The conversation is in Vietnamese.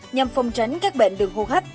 nhằm phòng tránh các bệnh đường hô hấp